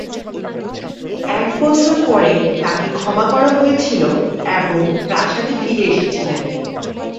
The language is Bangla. এক বছর পরে তাকে ক্ষমা করা হয়েছিল এবং প্রাসাদে ফিরে এসেছিলেন।